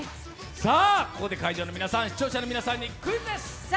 さあここで会場の皆さん、視聴者の皆さんにクイズです。